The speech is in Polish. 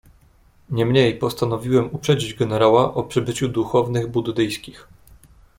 "Niemniej postanowiłem uprzedzić generała o przybyciu duchownych buddyjskich."